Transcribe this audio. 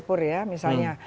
pur ya misalnya